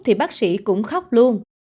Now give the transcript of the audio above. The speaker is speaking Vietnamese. thì bác sĩ cũng khóc luôn